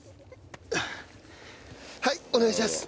はいお願いします。